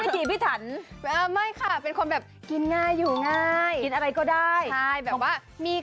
จริงพี่เขาก็ดูเป็นคนน่ารักนะพี่อินดี้เนี่ย